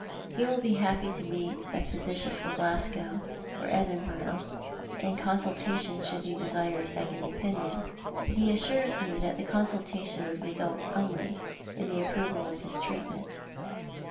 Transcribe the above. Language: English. He will be happy to meet a physician from Glasgow or Edinburgh in con sultation should you desire a second opinion, but he assures me that the consultation would result only in the approval of his treatment.